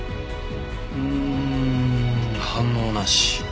うん反応なし。